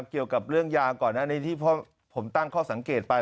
เกี่ยวกับเรื่องยาก่อนอันนี้ที่ผมตั้งข้อสังเกตไป